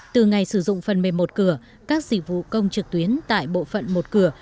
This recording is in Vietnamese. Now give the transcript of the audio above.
từ ngày sử dụng phần mềm một cửa các dịch vụ công trực tuyến tại bộ phận một cửa